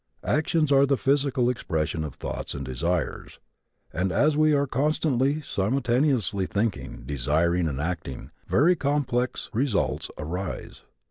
Actions are the physical expression of thoughts and desires and, as we are constantly simultaneously thinking, desiring and acting, very complex results arise.